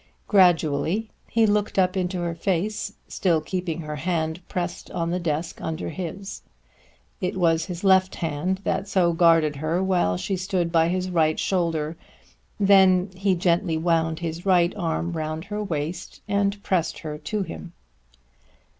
Gradually he looked up into her face, still keeping her hand pressed on the desk under his. It was his left hand that so guarded her, while she stood by his right shoulder. Then he gently wound his right arm round her waist and pressed her to him.